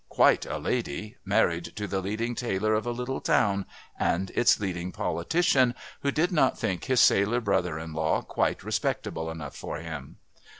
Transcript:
Quite a lady, married to the leading tailor of a little town, and its leading politician, who did not think his sailor brother in law quite respectable enough for him.